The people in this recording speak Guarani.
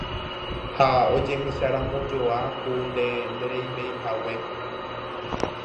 ha ojecheramojoa ku nde ndereimeihague